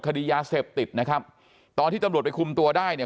คดียาเสพติดนะครับตอนที่ตำรวจไปคุมตัวได้เนี่ย